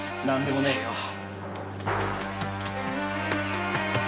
何でもねえよ。